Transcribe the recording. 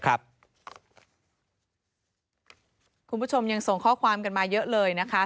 คุณผู้ชมยังส่งข้อความกันมาเยอะเลยนะคะ